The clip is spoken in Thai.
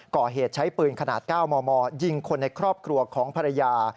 ก่อเหตุใช้ปืนขนาด๙มมยิงคนในครอบครัวของภรรยา